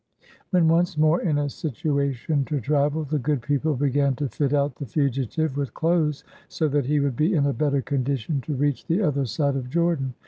When once more in a situation to travel, the good people began to fit out the fugitive with clothes, so that he would be in a better condition to reach the " other side of Jordan."